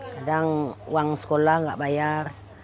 kadang uang sekolah tidak dibayar